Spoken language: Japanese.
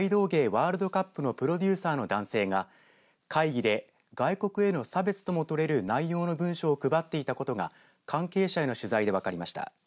ワールドカップのプロデューサーの男性が会議で外国への差別とも取れる内容の文書を配っていたことが関係者への取材で分かりました。